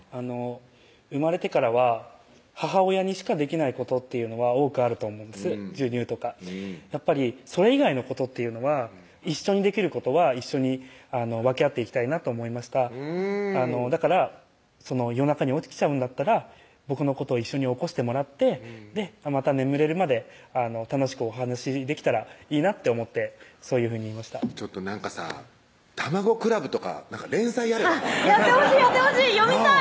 生まれてからは母親にしかできないことっていうのは多くあると思うんです授乳とかそれ以外のことっていうのは一緒にできることは一緒に分け合っていきたいなと思いましただから夜中に起きちゃうんだったら僕のことを一緒に起こしてもらってまた眠れるまで楽しくお話できたらいいなって思ってそういうふうに言いましたなんかさたまごクラブとか連載やれやってほしいやってほしい読みたい！